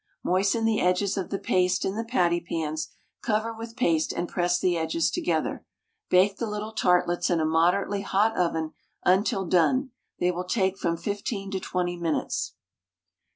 Moisten the edges of the paste in the patty pans, cover with paste, and press the edges together. Bake the little tartlets in a moderately hot oven until done; they will take from 15 to 20 minutes.